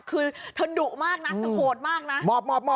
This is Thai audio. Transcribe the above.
คือเธอดุมากนะเธอโหดมากนะ